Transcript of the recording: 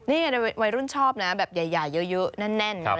นี่วัยรุ่นชอบนะแบบใหญ่เยอะแน่น